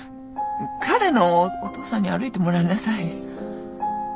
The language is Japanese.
彼のお父さんに歩いてもらいなさい。